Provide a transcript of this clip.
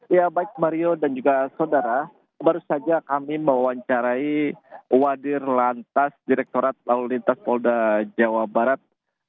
ya baik mario dan juga saudara baru saja kami mewawancarai wadir lantas direktorat lalu lintas polda jawa barat